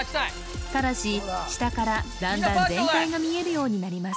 ただし下からだんだん全体が見えるようになります